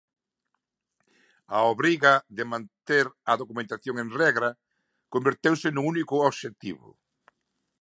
A obriga de manter a documentación en regra converteuse no único obxectivo.